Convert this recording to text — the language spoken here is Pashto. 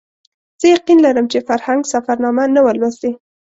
زه یقین لرم چې فرهنګ سفرنامه نه وه لوستې.